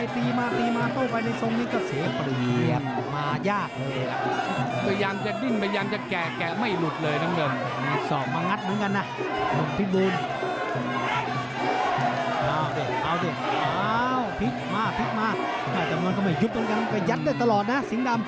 ต้องเท่าจริงต้องโดดหน่อย